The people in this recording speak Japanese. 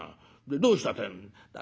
でどうしたってえんだ」。